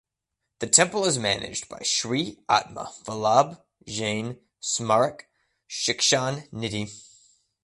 The temple is managed by Shree Atma Vallabh Jain Smarak Shikshan Nidhi.